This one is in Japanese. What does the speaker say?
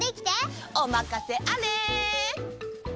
おまかせあれ！